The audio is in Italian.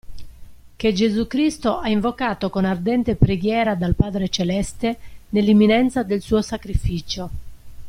Che Gesù Cristo ha invocato con ardente preghiera dal Padre celeste nell'imminenza del suo sacrificio.